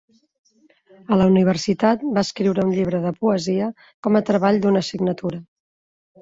A la universitat, va escriure un llibre de poesia com a treball d'una assignatura.